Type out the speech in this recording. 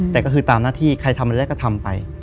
แต่ก็คือตามหน้าที่ใครทำอะไรได้ก็ทำไป